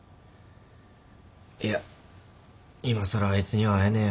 いやいまさらあいつには会えねえよ。